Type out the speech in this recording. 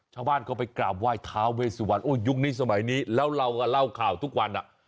ชาวบ้านก็ไปกราบไหว้ท้าเวสวันโอ้ยุคนี้สมัยนี้แล้วเราก็เล่าข่าวทุกวันอ่ะ